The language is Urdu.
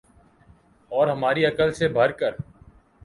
اور ہماری عقل سے بڑھ کر